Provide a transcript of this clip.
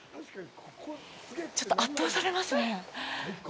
ちょっと圧倒されますね。